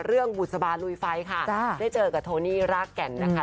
บุษบาลุยไฟค่ะได้เจอกับโทนี่รากแก่นนะคะ